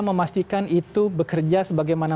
memastikan itu bekerja sebagaimana